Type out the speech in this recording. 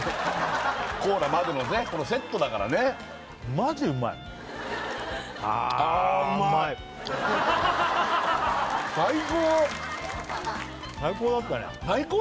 コーラまでのねこのセットだからねマジでうまい最高！